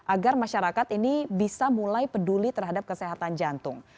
agar masyarakat ini bisa mulai peduli terhadap kesehatan jantung